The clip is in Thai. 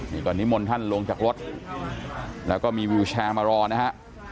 นี่ก่อนนิมนต์ท่านลงจากรถแล้วก็มีวิวแชร์มารอนะฮะ